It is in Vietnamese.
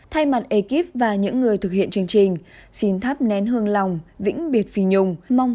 thay mặt ekip và những người thực hiện chương trình xin tháp nén hương lòng vĩnh biệt phi nhung mong cô an nghỉ